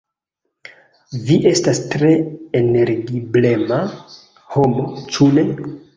Vi estas tre energiplena homo, ĉu ne?